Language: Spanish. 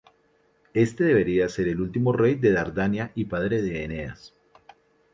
Este sería el último rey de Dardania y padre de Eneas.